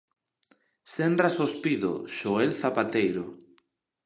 Senras Ospido, Xoel Zapateiro.